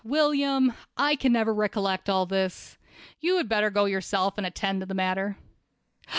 William, I can never recollect all this. You had better go yourself and attend to this matter."